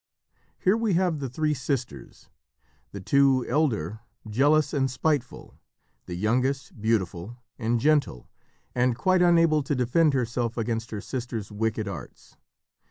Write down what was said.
Here we have the three sisters, the two elder jealous and spiteful, the youngest beautiful and gentle and quite unable to defend herself against her sisters' wicked arts.